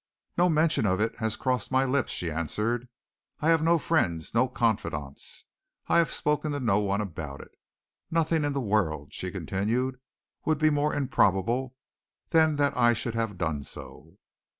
"No mention of it has crossed my lips," she answered. "I have no friends, no confidants. I have spoken to no one about it. Nothing in the world," she continued, "would be more improbable than that I should have done so."